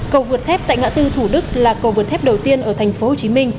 cầu vượt thép tại ngã tư thủ đức là cầu vượt thép đầu tiên ở tp hcm